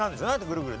ぐるぐる。